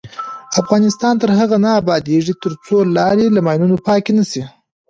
افغانستان تر هغو نه ابادیږي، ترڅو لارې له ماینونو پاکې نشي.